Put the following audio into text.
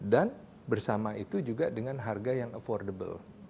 dan bersama itu juga dengan harga yang affordable